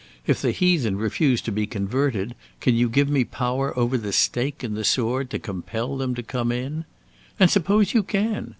If the heathen refuse to be converted, can you give me power over the stake and the sword to compel them to come in? And suppose you can?